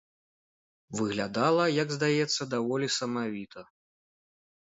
Выглядала, як здаецца, даволі самавіта.